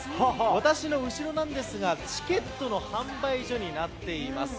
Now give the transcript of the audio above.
私の後ろなんですが、チケットの販売所になっています。